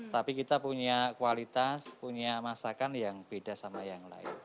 tapi kita punya kualitas punya masakan yang beda sama yang lain